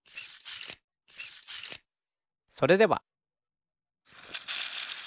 それでは。